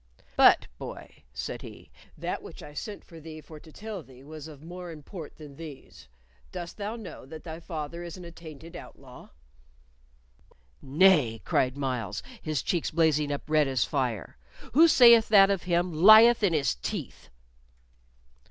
"But, boy," said he, "that which I sent for thee for to tell thee was of more import than these. Dost thou know that thy father is an attainted outlaw?" "Nay," cried Myles, his cheeks blazing up as red as fire; "who sayeth that of him lieth in his teeth."